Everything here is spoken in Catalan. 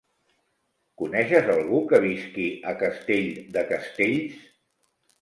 Coneixes algú que visqui a Castell de Castells?